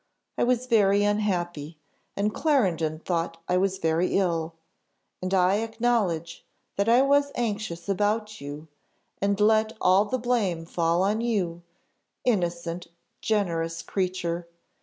I was very unhappy, and Clarendon thought I was very ill; and I acknowledge that I was anxious about you, and let all the blame fall on you, innocent, generous creature!